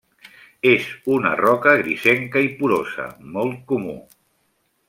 És una roca grisenca i porosa, molt comú.